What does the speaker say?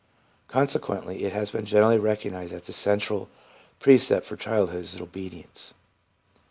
Consequently it has been generally recognised that the central precept for childhood is obedience.